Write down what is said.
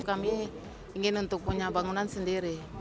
kami ingin untuk punya bangunan sendiri